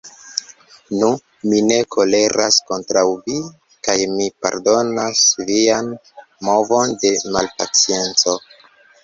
Nu, mi ne koleras kontraŭ vi, kaj mi pardonas vian movon de malpacienco.